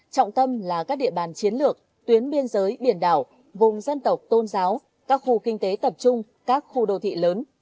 trọng tâm là các địa bàn chiến lược tuyến biên giới biển đảo vùng dân tộc tôn giáo các khu kinh tế tập trung các khu đô thị lớn